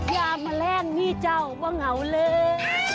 ยามแมลงมีเจ้าเมื่อเหงาเลย